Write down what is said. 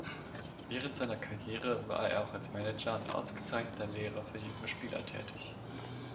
Während seiner Karriere war er auch als Manager und ausgezeichneter Lehrer für junge Spieler tätig.